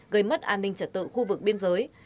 gây mất an ninh trật tự khu vực biên giới